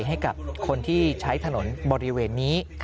ให้กับคนที่ใช้ถนนบริเวณนี้